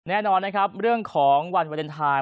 แน่นอนนะครับเรื่องของวันวาเลนไทย